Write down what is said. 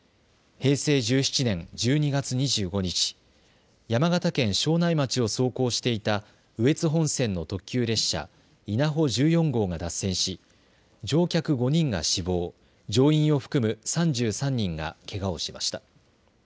平成１７年１２月２５日、山形県庄内町を走行していた羽越本線の特急列車、いなほ１４号が脱線し乗客５人が死亡、乗員を含む３３人がけがをしました。